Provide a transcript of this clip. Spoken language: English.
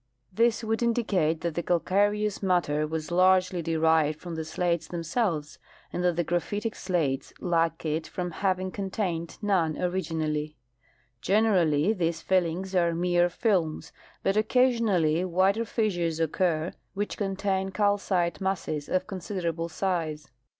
This would indicate that the calcareous matter was largely derived from the slates themselves, and that the graphitic slates lack it from hav ing contained none originally. Generally these fillings are mere films, but occasionally wider fissures occur which contain calcite masses of considerable size.